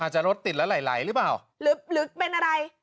อาจารถติดแล้วไหลไหลหรือเปล่าลึกลึกเป็นอะไร